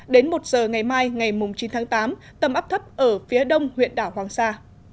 đến một giờ ngày mai ngày chín tháng tám tầm áp thấp ở phía đông huyện đảo hoàng sa